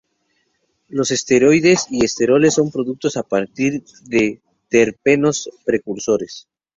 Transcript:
Los esteroides y esteroles son producidos a partir de terpenos precursores.